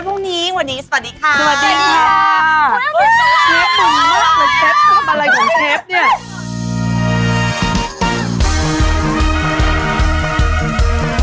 ขอบคุณค่ะวันนี้นะคะเรารอทั้งสี่คนลาไปก่อนนะคะ